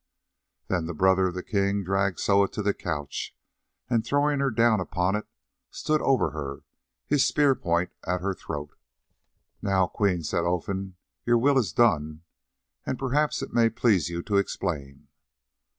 Then the brother of the king dragged Soa to the couch, and throwing her down upon it stood over her, his spear point at her throat. "Now, Queen," said Olfan, "your will is done, and perhaps it may please you to explain."